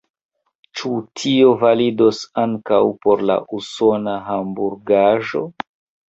Ĉu tio validos ankaŭ por la usona hamburgaĵo?